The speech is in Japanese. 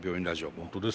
本当ですね。